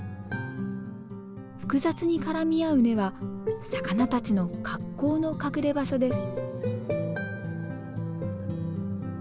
複雑に絡み合う根は魚たちの格好の隠れ場所です。